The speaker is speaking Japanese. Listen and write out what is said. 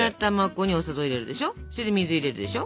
それで水を入れるでしょ。